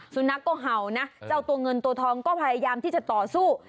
สุนัขก็เห่านะเจ้าตัวเงินตัวทองก็พยายามที่จะต่อสู้